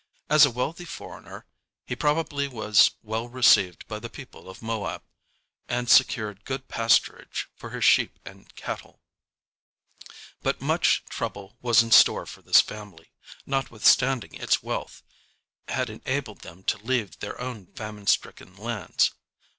As a wealthy foreigner, he probably was well received by the people of Moab, and secured good pasturage for his sheep and cattle. [Illustration: SEEKING PASTURAGE FOR HIS SHEEP.] But much trouble was in store for this family, notwithstanding its wealth had enabled them to leave their own famine stricken lands.